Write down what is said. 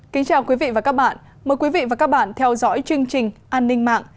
kính chào quý vị và các bạn mời quý vị và các bạn theo dõi chương trình an ninh mạng